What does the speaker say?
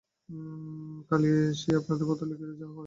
কালী আসিয়া আপনাদের পত্র লিখিলে যাহা হয় করিবেন।